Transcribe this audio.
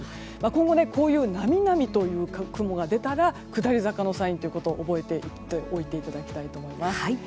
今後、こういうなみなみという雲が出たら下り坂のサインということ覚えておいていただきたいと思います。